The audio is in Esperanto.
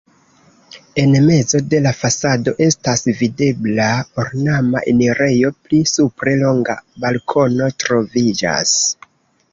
En mezo de la fasado estas videbla ornama enirejo, pli supre longa balkono troviĝas.